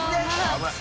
危ない。